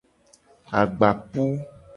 Agbapu.